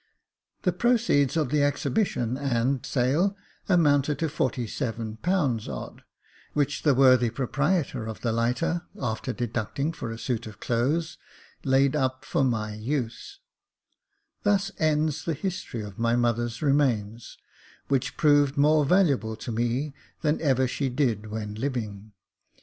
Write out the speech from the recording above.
The proceeds of the exhibition and sale amounted to ^^47 odd, which the worthy proprietor of Jacob F'aithful 17 the lighter, after deducting for a suit of clothes, laid up for my use. Thus ends the history of my mother's remains, which proved more valuable to me than ever she did when living.